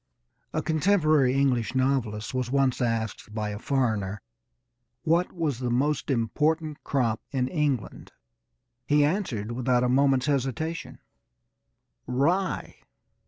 A contemporary English novelist was once asked by a foreigner what was the most important crop in England. He answered without a moment's hesitation: "Rye."